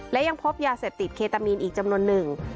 และยังพบยาเสพติดเคตามีนอีกจำนวนหนึ่ง